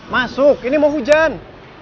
masuk ini mau hujan